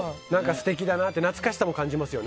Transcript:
素敵だなって懐かしさも感じますよね。